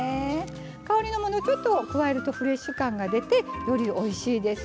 香りの物をちょっと加えるとフレッシュ感が出てよりおいしいです。